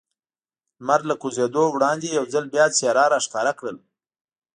لمر له کوزېدو وړاندې یو ځل بیا څېره را ښکاره کړل.